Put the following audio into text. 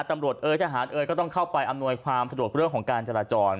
เอ๋ยทหารเอ๋ยก็ต้องเข้าไปอำนวยความสะดวกเรื่องของการจราจร